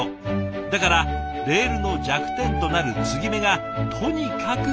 だからレールの弱点となる継ぎ目がとにかく多い。